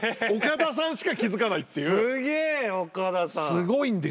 すごいんですよ。